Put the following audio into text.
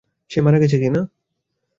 সে মারা গেছে কি না।